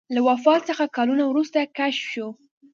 له وفات څخه کلونه وروسته کشف شو.